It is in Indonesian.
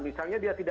misalnya dia tidak